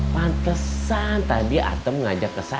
pantesan tadi atem ngajak kum